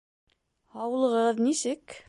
Һаулығығыҙ нисек?